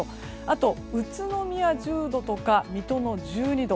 あとは宇都宮１０度とか水戸も１２度。